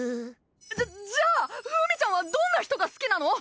じゃじゃあフミちゃんはどんな人が好きなの？